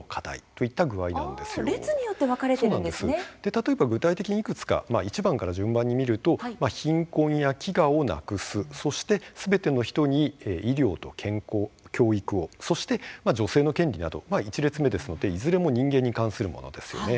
例えば具体的にいくつか１番から順番に見ると貧困や飢餓をなくすそして、すべての人に医療と健康、教育をそして女性の権利など１列目ですので、いずれも人間に関するものですよね。